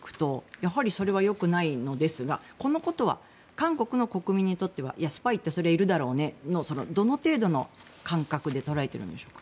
やはりそれはよくないのですがこのことは韓国の国民にとってはスパイはそりゃいるだろうねというどの程度の感覚で捉えているんでしょうか。